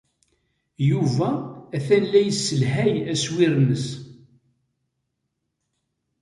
Yuba atan la yesselhay aswir-nnes.